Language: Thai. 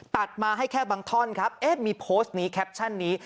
ตัดมาให้แค่บางท่อนครับเอ๊ะมีโพสต์นี้แคปชั่นนี้